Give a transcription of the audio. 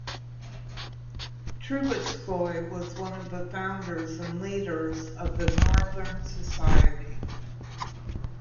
Trubetskoy was one of the founders and leaders of the Northern Society.